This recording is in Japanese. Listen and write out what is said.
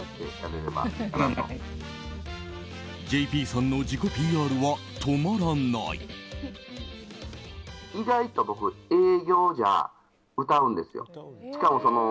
ＪＰさんの自己ＰＲは止まらない。